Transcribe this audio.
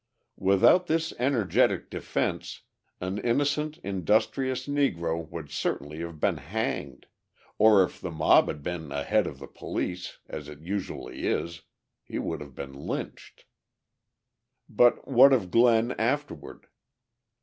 Without this energetic defence, an innocent, industrious Negro would certainly have been hanged or if the mob had been ahead of the police, as it usually is, he would have been lynched. But what of Glenn afterward?